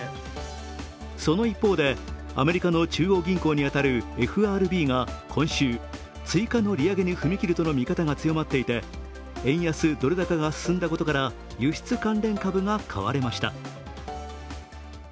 その一方で、アメリカの中央銀行に当たるＦＲＢが今週、追加の利上げに踏み切るとの見方が強まっていて円安ドル高が進んだことから輸出関連株が買われました。